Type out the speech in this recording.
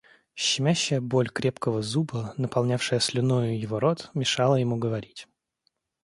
Щемящая боль крепкого зуба, наполнявшая слюною его рот, мешала ему говорить.